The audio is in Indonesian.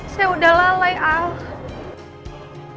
saya udah lalai am